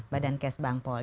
badan kes bangpol